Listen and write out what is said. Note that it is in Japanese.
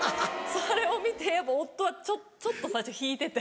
それを見て夫はちょっと最初引いてて。